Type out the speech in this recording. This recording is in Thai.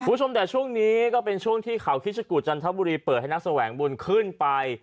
คุณผู้ชมแต่ช่วงนี้ก็เป็นช่วงที่เขาคิชกุจันทบุรีเปิดให้นักแสวงบุญขึ้นไป